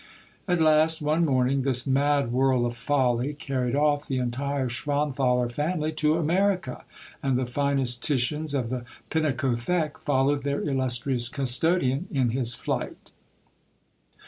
At last, one morning, this mad whirl of folly carried off the entire Schwanthaler family to America, and the finest Titians of the Pinakothek followed their illustrious custodian in his flight.